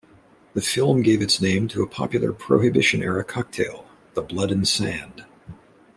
The film gave its name to a popular Prohibition-era cocktail, the Blood and Sand.